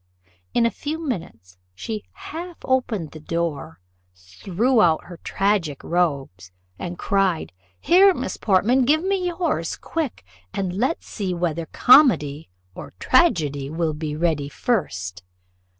In a few minutes she half opened the door, threw out her tragic robes, and cried, "Here, Miss Portman, give me yours quick and let's see whether comedy or tragedy will be ready first."